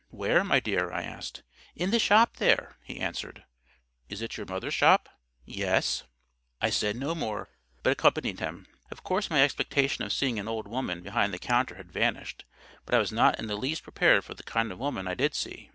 "Where, my dear?" I asked. "In the shop there," he answered. "Is it your mother's shop?" "Yes." I said no more, but accompanied him. Of course my expectation of seeing an old woman behind the counter had vanished, but I was not in the least prepared for the kind of woman I did see.